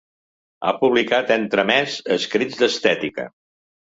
Ha publicat, entre més, Escrits d’estètica.